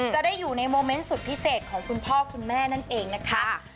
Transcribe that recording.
จะได้อยู่ในโมเมนต์สุดพิเศษของคุณพ่อคุณแม่นั่นเองนะคะ